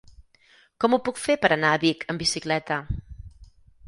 Com ho puc fer per anar a Vic amb bicicleta?